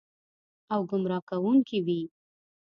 او ګمراه کوونکې وي.